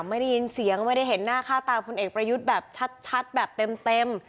ไม่ได้ยินเสียงไม่ได้เห็นหน้าค่าตาพลเอกประยุทธ์แบบชัดแบบเต็ม